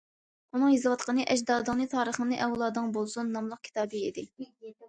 ئۇنىڭ يېزىۋاتقىنى‹‹ ئەجدادىڭنى، تارىخىڭنى ئەۋلادىڭ بىلسۇن›› ناملىق كىتابى ئىدى.